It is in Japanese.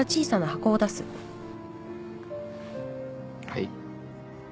はい。